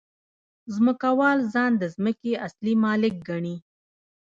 ځمکوال ځان د ځمکې اصلي مالک ګڼي